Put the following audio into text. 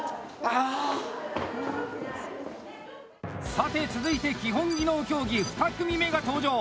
さて、続いて基本技能競技２組目が登場！